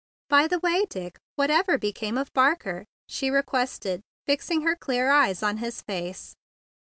"By the way, Hick, what ever be¬ came of Barker?" she requested, fixing her clear eyes on his face.